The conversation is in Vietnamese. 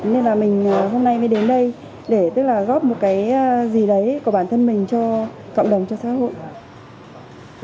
nên là mình hôm nay mới đến đây để tức là góp một cái gì đấy của bản thân mình cho cộng đồng cho xã hội